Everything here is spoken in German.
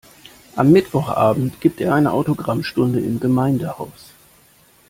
Am Mittwochabend gibt er eine Autogrammstunde im Gemeindehaus.